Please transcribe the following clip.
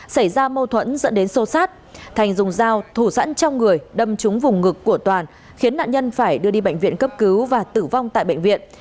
xảy ra mâu thuẫn dẫn đến xô xát thành dùng dao thủ sẵn trong người đâm trúng vùng ngực của toàn khiến nạn nhân phải đưa đi bệnh viện cấp cứu và tử vong tại bệnh viện